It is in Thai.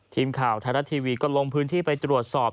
ทีมข่าวไทยรัฐทีวีก็ลงพื้นที่ไปตรวจสอบ